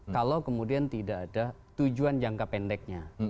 kalau kemudian tidak ada tujuan jangka pendeknya